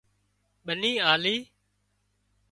ٻنِي آلي